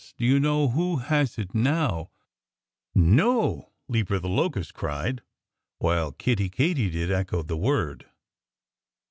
Do you know who has it now?" "No!" Leaper the Locust cried, while Kiddie Katydid echoed the word.